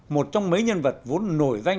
một trong mấy nhân vật vốn nổi danh